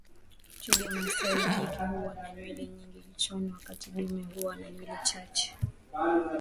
Twiga masai jike huwa na nywele nyingi kichwani wakati dume huwa ana nywele chache